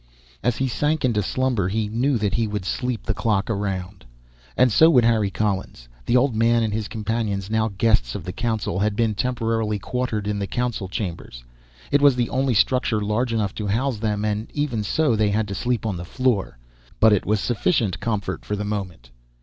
As he sank into slumber he knew that he would sleep the clock around. And so would Harry Collins. The old man and his companions, now guests of the council, had been temporarily quartered in the council chambers. It was the only structure large enough to house them and even so they had to sleep on the floor. But it was sufficient comfort for the moment.